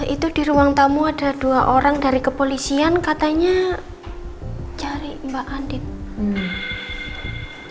itu di ruang tamu ada dua orang dari kepolisian katanya cari mbak adit